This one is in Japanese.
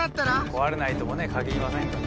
壊れないともね限りませんから。